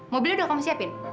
mobilnya udah kamu siapin